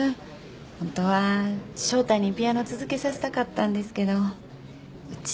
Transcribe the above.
本当は翔太にピアノ続けさせたかったんですけどうち